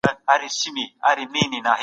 موږ په کمپيوټر کي درسونه زده کوو.